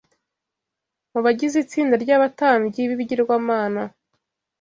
mu bagize itsinda ry’abatambyi b’ibigirwamana